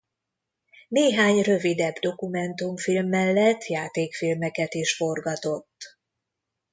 Néhány rövidebb dokumentumfilm mellett játékfilmeket is forgatott.